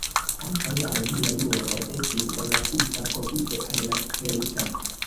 Ankaŭ la romia juro estis forlasita profite al la kelta.